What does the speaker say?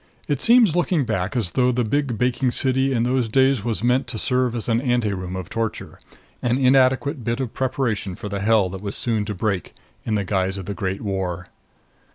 It seems, looking back, as though the big baking city in those days was meant to serve as an anteroom of torture an inadequate bit of preparation for the hell that was soon to break in the guise of the Great War.